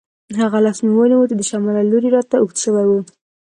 هغه لاس مې ونیو چې د شمال له لوري راته اوږد شوی وو.